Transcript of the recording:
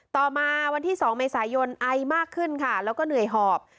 ต่อมาวันที่๒เมษายนไอมากขึ้นค่ะแล้วก็เหนื่อยหอบ